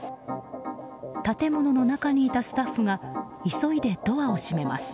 建物の中にいたスタッフが急いでドアを閉めます。